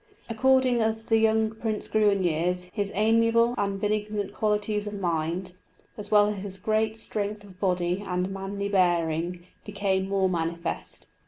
According as the young prince grew in years, his amiable and benignant qualities of mind, as well as his great strength of body and manly bearing, became more manifest.